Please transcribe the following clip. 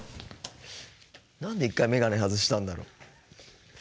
何で一回眼鏡外したんだろう。